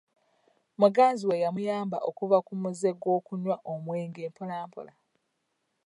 Muganzi we yamuyamba okuva ku muze gw'okunywa omwengwe mpola mpola.